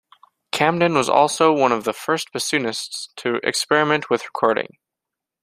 Camden was also one of the first bassonists to experiment with recording.